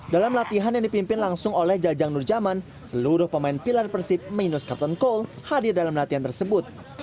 dalam latihan yang dipimpin langsung oleh jajang nurjaman seluruh pemain pilar persib minus carton cole hadir dalam latihan tersebut